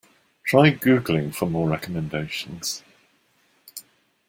Try googling for more recommendations.